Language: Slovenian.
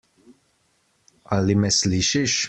Ali me slišiš?